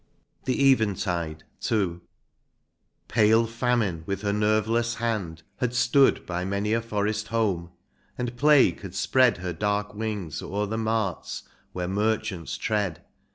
187 XCIII. THE EVENTIDE. — II. Pale famine, with her nerveless hand, had stood By many a forest home, and plague had spread Her dark wings o'er the marts where merchants tread.